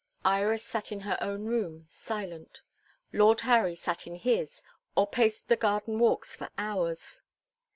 Iris sat in her own room, silent; Lord Harry sat in his, or paced the garden walks for hours.